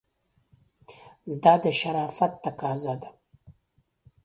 دا د شرافت تقاضا ده.